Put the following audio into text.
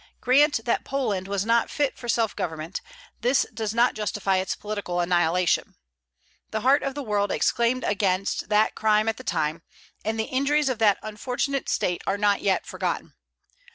Grant that Poland was not fit for self government, this does not justify its political annihilation. The heart of the world exclaimed against that crime at the time, and the injuries of that unfortunate state are not yet forgotten.